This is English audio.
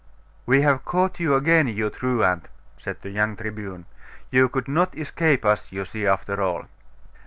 'We have caught you again, you truant!' said the young Tribune; 'you could not escape us, you see, after all.